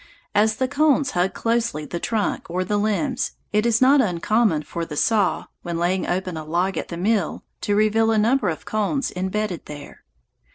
As the cones hug closely the trunk or the limbs, it is not uncommon for the saw, when laying open a log at the mill, to reveal a number of cones embedded there.